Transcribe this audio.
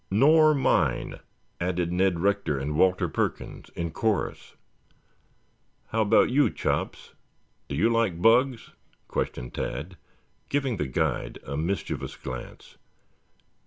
"Nor mine," added Ned Rector and Walter Perkins in chorus. "How about you, Chops? Do you like bugs?" questioned Tad, giving the guide a mischievous glance.